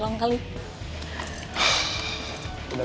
bang kita kena